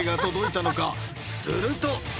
［すると］